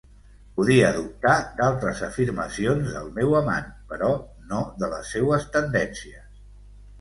Podia dubtar d'altres afirmacions del meu amant, però no de les seues tendències.